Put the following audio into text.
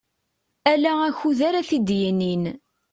Ala akud ara t-id-yinin.